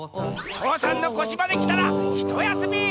父山のこしまできたらひとやすみ！